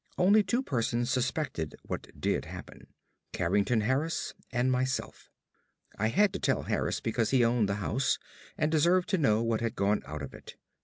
Only two persons suspected what did happen Carrington Harris and myself. I had to tell Harris because he owned the house and deserved to know what had gone out of it.